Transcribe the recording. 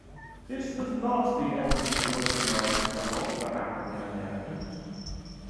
This was not the end of the voting rights struggle for African Americans.